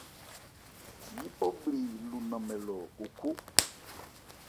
Yípɔ bhri lu nnanmɛ lɔ o khó.